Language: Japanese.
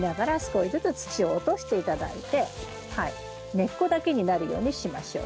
根っこだけになるようにしましょう。